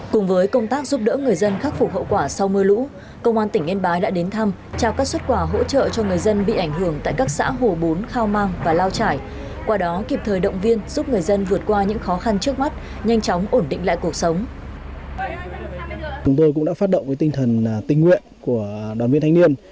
cùng với công tác giúp đỡ người dân khắc phục hậu quả sau mưa lũ công an tỉnh yên bái đã đến thăm trao các xuất quả hỗ trợ cho người dân bị ảnh hưởng tại các xã hồ bốn khao mang và lao trải qua đó kịp thời động viên giúp người dân vượt qua những khó khăn trước mắt nhanh chóng ổn định lại cuộc sống